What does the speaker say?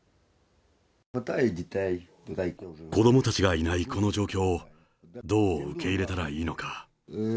子どもたちがいないこの状況を、どう受け入れたらいいのか。